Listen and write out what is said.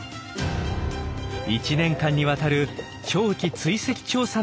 １年間にわたる長期追跡調査の始まりです。